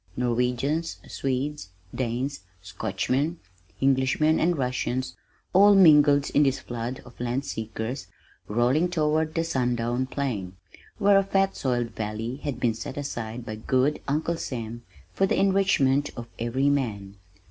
Norwegians, Swedes, Danes, Scotchmen, Englishmen, and Russians all mingled in this flood of land seekers rolling toward the sundown plain, where a fat soiled valley had been set aside by good Uncle Sam for the enrichment of every man.